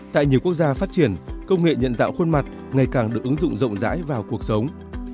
tại nhiều quốc gia phát triển công nghệ nhận dạng khuôn mặt ngày càng được ứng dụng rộng rãi vào cuộc sống